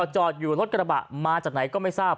จอดอยู่รถกระบะมาจากไหนก็ไม่ทราบ